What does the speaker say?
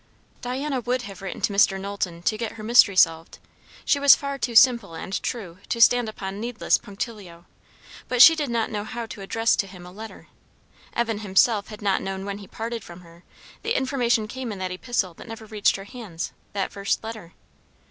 Diana would have written to Mr. Knowlton to get her mystery solved; she was far too simple and true to stand upon needless punctilio; but she did not know how to address to him a letter. Evan himself had not known when he parted from her; the information came in that epistle that never reached her hands, that first letter.